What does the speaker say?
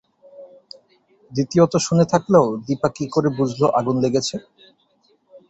দ্বিতীয়ত শুনে থাকলেও দিপা কী করে বুঝল আগুন লেগেছে?